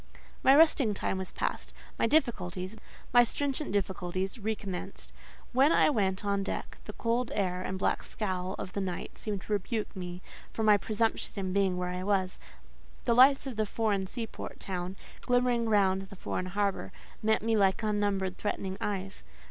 My resting time was past; my difficulties—my stringent difficulties—recommenced. When I went on deck, the cold air and black scowl of the night seemed to rebuke me for my presumption in being where I was: the lights of the foreign sea port town, glimmering round the foreign harbour, met me like unnumbered threatening eyes.